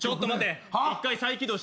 １回再起動してみる。